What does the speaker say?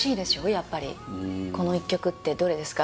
やっぱり「この１曲ってどれですか？」